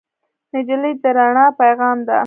نجلۍ د رڼا پېغام ده.